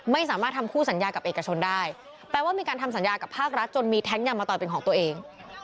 ไม่สามารถทำคู่สัญญากับเอกชนได้แปลว่ามีการทำสัญญากับภาครัฐจนมีแท้งยางมะตอยเป็นของตัวเอง